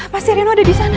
masi reno ada di sana